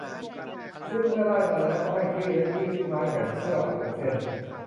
ซึ่งเมื่อได้มาแล้วก็ให้คลี่และยืดไม้แขวนเสื้อออกเป็นเส้น